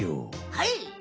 はい！